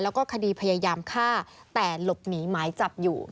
แล้วก็คดีพยายามฆ่าแต่หลบหนีหมายจับอยู่